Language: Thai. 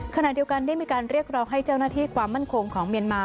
ขณะเดียวกันได้มีการเรียกร้องให้เจ้าหน้าที่ความมั่นคงของเมียนมา